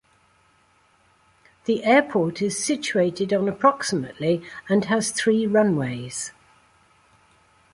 The airport is situated on approximately and has three runways.